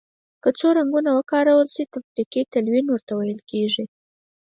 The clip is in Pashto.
که څو رنګونه وکارول شي تفریقي تلوین ورته ویل کیږي.